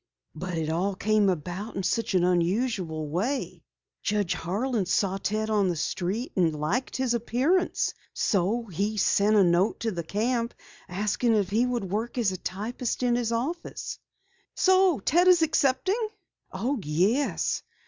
"But it all came about in such an unusual way. Judge Harlan saw Ted on the street and liked his appearance. So he sent a note to the Camp asking if he would work as a typist in his office." "Ted is accepting?" "Oh, yes.